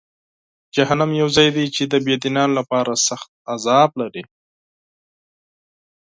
جهنم یو ځای دی چې د بېدینانو لپاره سخت عذاب لري.